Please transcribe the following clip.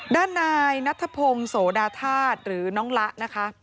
ด้านนายนัทพงศ์โสดาธาตุหรือน้องละนะคะ